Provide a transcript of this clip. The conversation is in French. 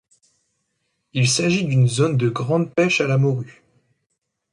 Il s'agit d'une zone de grande pêche à la morue.